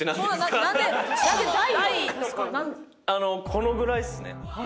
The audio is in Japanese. このぐらいっすね。